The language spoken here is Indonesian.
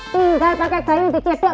tinggal pakai garim dikidok